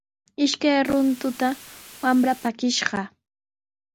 Ishkay runtuta wamra pakishqa.